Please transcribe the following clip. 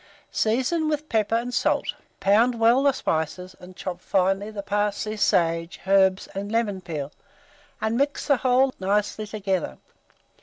Season with pepper and salt; pound well the spices, and chop finely the parsley, sage, herbs, and lemon peel, and mix the whole nicely together.